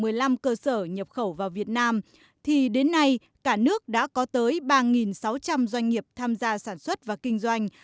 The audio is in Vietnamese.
nếu như là một cơ sở nhập khẩu vào việt nam thì đến nay cả nước đã có tới ba sáu trăm linh doanh nghiệp tham gia sản xuất và kinh doanh